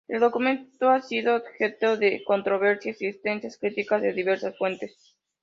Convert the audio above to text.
El documento ha sido objeto de controversias y extensas críticas de diversas fuentes.